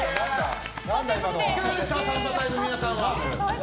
いかがでしたサンバ隊の皆さんは。